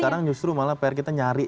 sekarang justru malah pr kita nyari